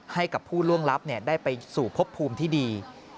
ให้กับผู้ล่วงลับได้ไปสู่พบภูมิที่ดี